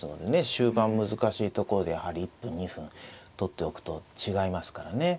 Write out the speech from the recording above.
終盤難しいところでやはり１分２分取っておくと違いますからね。